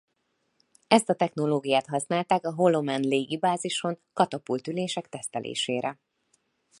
Ezt a technológiát használták a Holloman légibázison katapultülések tesztelésére.